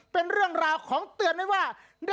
สวัสดีครับ